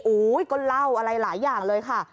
ก็เล่าอะไรหลายอย่างเลยค่ะ